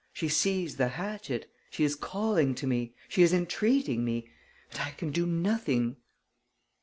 She sees the hatchet.... She is calling to me.... She is entreating me.... And I can do nothing...."